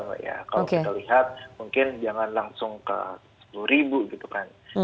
kalau kita lihat mungkin jangan langsung ke sepuluh ribu gitu kan